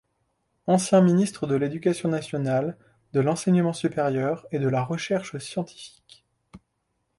Ancien ministre de l'Éducation nationale, de l'Enseignement supérieur et de la Recherche scientifique.